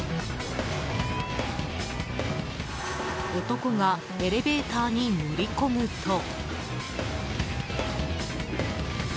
男がエレベーターに乗り込むと。